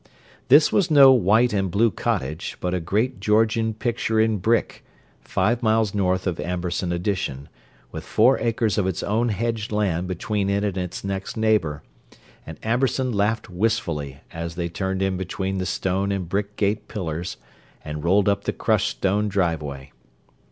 This was no white and blue cottage, but a great Georgian picture in brick, five miles north of Amberson Addition, with four acres of its own hedged land between it and its next neighbour; and Amberson laughed wistfully as they turned in between the stone and brick gate pillars, and rolled up the crushed stone driveway.